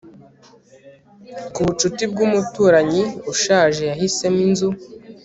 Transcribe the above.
Kubucuti bwumuturanyi ushaje yahisemo inzu